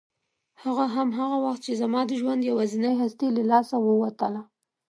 هغه هم هغه وخت چې زما د ژوند یوازینۍ هستي له لاسه ووتله.